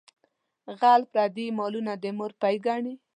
غل پردي مالونه د مور پۍ ګڼي.